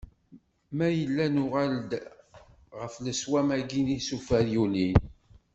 Ma yella nuɣal-d ɣef leswam-agi n yisufar i yulin.